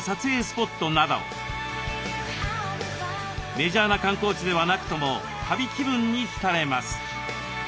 メジャーな観光地ではなくとも旅気分に浸れます。